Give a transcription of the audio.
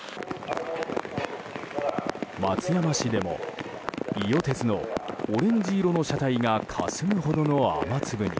松山市でも伊予鉄のオレンジ色の車体がかすむほどの雨粒に。